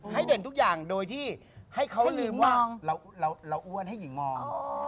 เด่นทุกอย่างโดยที่ให้เขาลืมว่าเราอ้วนให้หญิงมอง